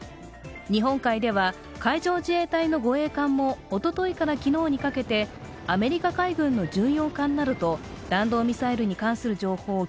日本海では海上自衛隊の護衛艦もおとといから昨日にかけてアメリカ海軍の巡洋艦などと弾道ミサイルに関する情報を